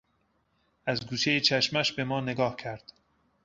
از گوشهی چشمش به ما نگاه کرد.